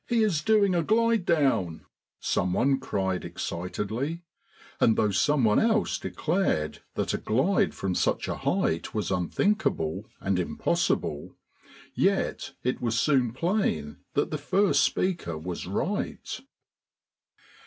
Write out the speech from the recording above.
"He is doing a glide down," someone cried excitedly, and though someone else declared that a glide from such a height was unthinkable and impossible, yet it was soon plain that the first speaker was right.